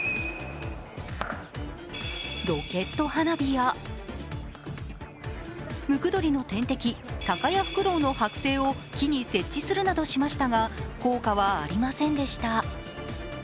ロケット花火や、ムクドリの天敵、タカやフクロウのはく製を木に設置するなどしましたが効果はありませんでした。